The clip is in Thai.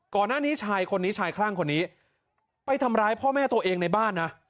ก่อนหน้านี้ชายคนนี้ชายคลั่งคนนี้ไปทำร้ายพ่อแม่ตัวเองในบ้านนะ